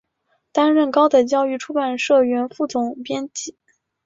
担任高等教育出版社原副总编辑。